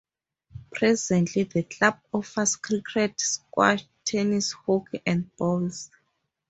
Presently the club offers cricket, squash, tennis, hockey and bowls.